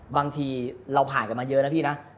บางทีเราผ่านกันมาเยอะนะพี่นะ